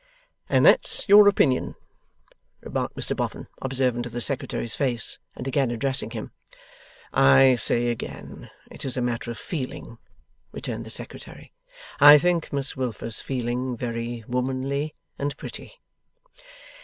'And that's your opinion?' remarked Mr Boffin, observant of the Secretary's face and again addressing him. 'I say again, it is a matter of feeling,' returned the Secretary. 'I think Miss Wilfer's feeling very womanly and pretty.